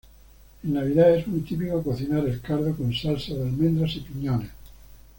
En Navidad es muy típico cocinar el cardo con salsa de almendras y piñones.